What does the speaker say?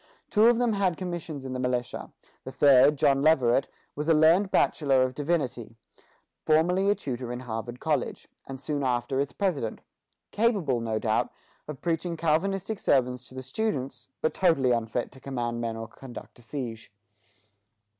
Two of them had commissions in the militia; the third, John Leverett, was a learned bachelor of divinity, formerly a tutor in Harvard College, and soon after its president, capable, no doubt, of preaching Calvinistic sermons to the students, but totally unfit to command men or conduct a siege.